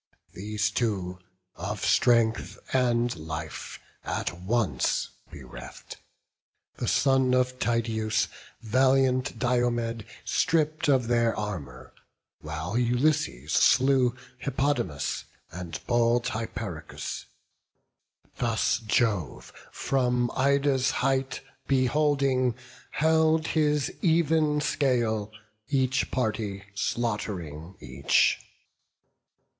These two, of strength and life at once bereft, The son of Tydeus, valiant Diomed, Stripp'd of their armour; while Ulysses slew Hippodamus, and bold Hyperochus. Thus Jove, from Ida's height beholding, held His even scale, each party slaught'ring each.